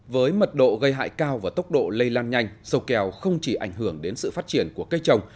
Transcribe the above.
với mật độ gây hại cao và tốc độ lây lan nhanh sâu kèo không chỉ ảnh hưởng đến sự phát triển của cây trồng